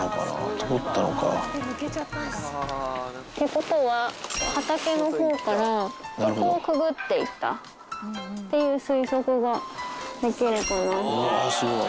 通ったのか。ってことは、畑のほうからこうくぐっていったっていう推測ができるかな。